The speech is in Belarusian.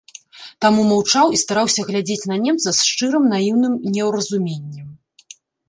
Таму маўчаў і стараўся глядзець на немца з шчырым наіўным неўразуменнем.